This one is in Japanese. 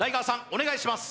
お願いします